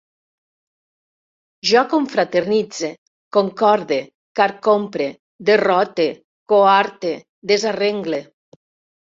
Jo confraternitze, concorde, carcompre, derrote, coarte, desarrengle